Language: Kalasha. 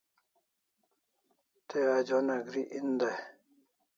Te anjona geri en day